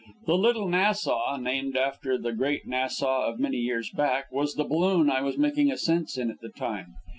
The "Little Nassau" (named after the "Great Nassau" of many years back) was the balloon I was making ascents in at the time.